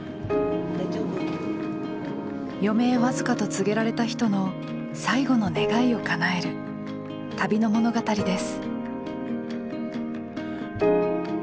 余命わずかと告げられた人の最後の願いをかなえる旅の物語です。